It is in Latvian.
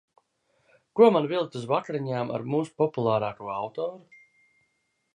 Ko man vilkt uz vakariņām ar mūsu populārāko autoru?